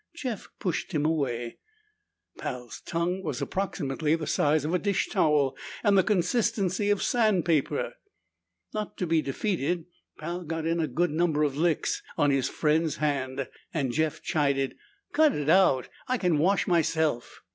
Jeff pushed him away; Pal's tongue was approximately the size of a dish towel and the consistency of sand paper. Not to be defeated, Pal got in a number of good licks on his friend's hand and Jeff chided, "Cut it out! I can wash myself!"